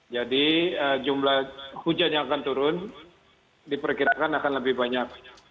jadi jumlah hujan yang akan turun diperkirakan akan lebih banyak